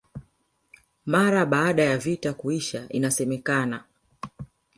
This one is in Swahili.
Mara baada ya vita kuisha inasemekana